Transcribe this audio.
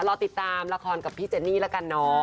รอติดตามละครกับพี่เจนนี่ละกันเนาะ